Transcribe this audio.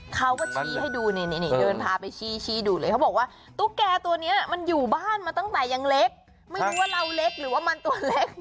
เขาก็ชี้ให้ดูนี่เดินพาไปชี้ดูเลยเขาบอกว่าตุ๊กแก่ตัวนี้มันอยู่บ้านมาตั้งแต่ยังเล็กไม่รู้ว่าเราเล็กหรือว่ามันตัวเล็ก